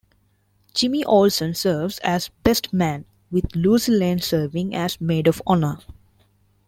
Jimmy Olsen serves as best man, with Lucy Lane serving as maid of honor.